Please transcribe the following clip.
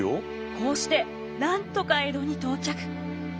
こうしてなんとか江戸に到着。